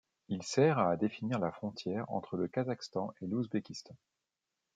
Il sert à définir la frontière entre le Kazakhstan et l'Ouzbékistan.